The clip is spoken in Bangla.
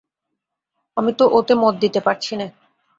আমি তো ওতে মত দিতে পারছি নে।